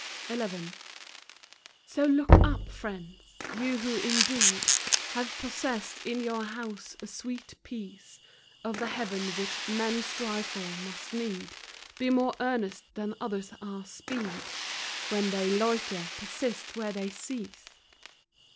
XI. So look up, friends ! you, who indeed Have possessed in your house a sweet piece Of the Heaven which men strive for, must need Be more earnest than others are, speed Where they loiter, persist where they cease.